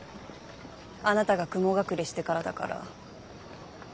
あなたが雲隠れしてからだから。